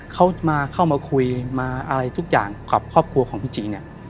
เขามาเข้ามาคุยมาอะไรทุกอย่างกับครอบครัวของพี่จีเนี่ย